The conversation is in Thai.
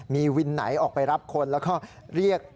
มีวินไหนออกไปรับคนแล้วก็เรียก